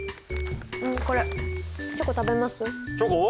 これチョコ食べます？